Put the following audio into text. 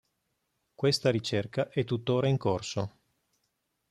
Questa ricerca è tuttora in corso.